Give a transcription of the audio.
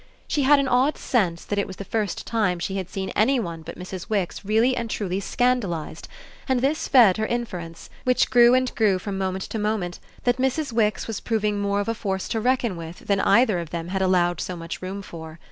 She had an odd sense that it was the first time she had seen any one but Mrs. Wix really and truly scandalised, and this fed her inference, which grew and grew from moment to moment, that Mrs. Wix was proving more of a force to reckon with than either of them had allowed so much room for.